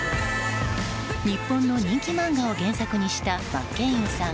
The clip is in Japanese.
日本の人気漫画を原作にした真剣佑さん